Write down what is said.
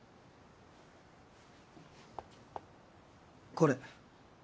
これ。